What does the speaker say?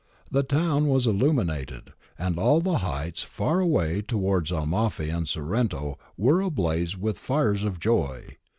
The town was illuminated, and all the heights far away towards Amalfi and Sorrento were ablaze with fires of joy.